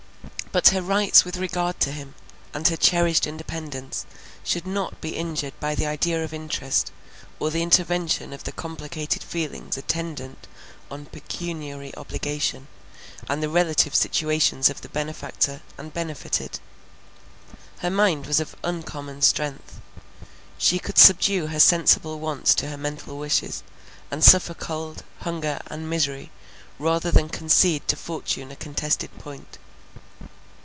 But her rights with regard to him, and her cherished independence, should not be injured by the idea of interest, or the intervention of the complicated feelings attendant on pecuniary obligation, and the relative situations of the benefactor, and benefited. Her mind was of uncommon strength; she could subdue her sensible wants to her mental wishes, and suffer cold, hunger and misery, rather than concede to fortune a contested point.